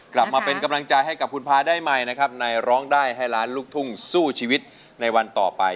กลับมาเป็นกำลังใจให้กับคุณพาได้ใหม่นะครับในร้องได้ให้ล้านลูกทุ่งสู้ชีวิตในวันต่อไป